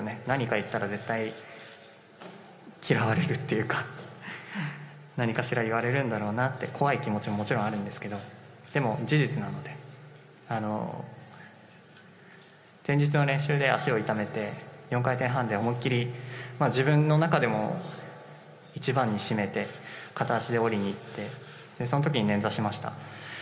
何か言ったら、絶対嫌われるというか、何かしら言われるんだろうなって、怖い気持ちももちろんあるんですけど、でも、事実なので、前日の練習で足を痛めて、４回転半で思いっ切り、自分の中でも、一番に占めて、片足で降りにいって、そのときに捻挫しました。